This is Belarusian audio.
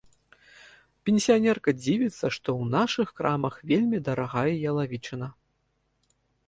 Пенсіянерка дзівіцца, што ў нашых крамах вельмі дарагая ялавічына.